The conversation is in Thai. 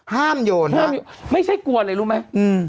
ห้ามโยนหมาไม่ใช่กลัวเลยรู้ไหมอืม